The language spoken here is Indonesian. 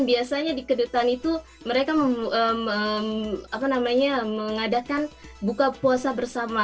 biasanya di kedutaan itu mereka mengadakan buka puasa bersama